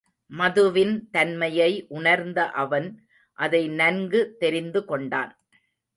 மதுவின் தன்மையை உணர்ந்த அவன், அதை நன்கு தெரிந்து கொண்டான்.